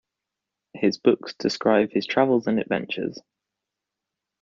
His books describe his travels and adventures.